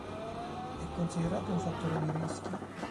È considerato un fattore di rischio.